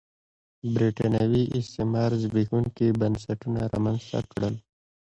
برېټانوي استعمار زبېښونکي بنسټونه رامنځته کړل.